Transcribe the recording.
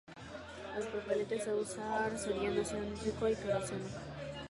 Los propelentes a usar serían ácido nítrico y queroseno.